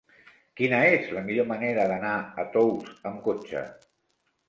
Quina és la millor manera d'anar a Tous amb cotxe?